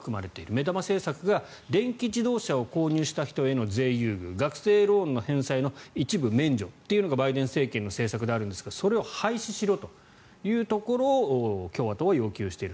目玉政策が電気自動車を購入した人への税優遇学生ローンの返済の一部免除というのがバイデン政権の政策で、あるんですがそれを廃止しろというところを共和党は要求している。